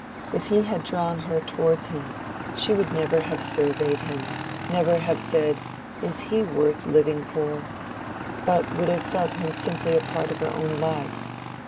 If he had drawn her towards him, she would never have surveyed him—never have said, "Is he worth living for?" but would have felt him simply a part of her own life.